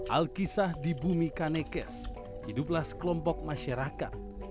alkisah di bumi kanekes hiduplah sekelompok masyarakat